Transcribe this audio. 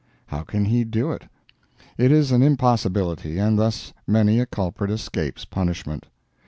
How can he do it. It is an impossibility, and thus many a culprit escapes punishment.